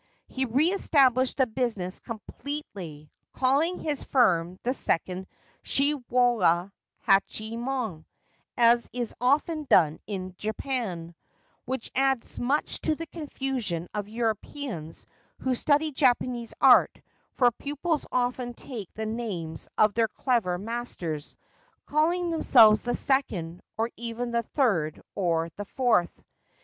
He re established the business completely, calling his firm the Second Shiwoya Hachiyemon, as is often done in Japan (which adds much to the confusion of Europeans who study Japanese Art, for pupils often take the names of their clever masters, calling themselves the Second, or even the Third or the Fourth).